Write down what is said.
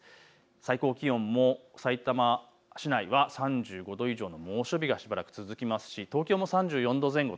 最高気温もさいたま市内は３５度以上の猛暑日がしばらく続きますし東京も３４度前後。